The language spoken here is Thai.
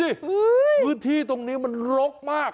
อื้อคือที่ตรงนี้มันรกมาก